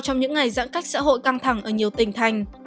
trong những ngày giãn cách xã hội căng thẳng ở nhiều tỉnh thành